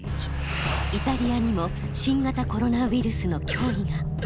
イタリアにも新型コロナウイルスの脅威が。